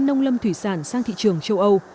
nông lâm thủy sản sang thị trường châu âu